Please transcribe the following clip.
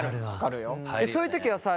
そういう時はさ